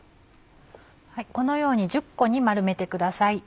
このように１０個に丸めてください。